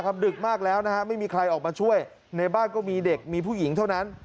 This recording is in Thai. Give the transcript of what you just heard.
ดึกมากแล้วนะฮะไม่มีใครออกมาช่วยในบ้านก็มีเด็กมีผู้หญิงเท่านั้น